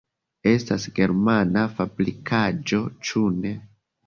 Estas germana fabrikaĵo, ĉu ne?